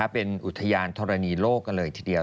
เป็นอุทยานธรณีโลกกันเลยทีเดียว